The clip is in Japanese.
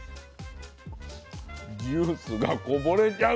ジュースがこぼれちゃう。